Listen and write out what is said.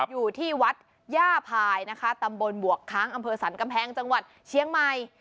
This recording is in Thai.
อยู่ที่วัดหญ้าภายตำบลบวกค้างอำเภษันกำแพงจังหวัดเชียงใหม่